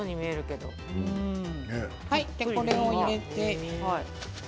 これを入れて。